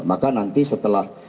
maka nanti setelah